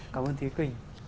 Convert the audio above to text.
cảm ơn thế kỳ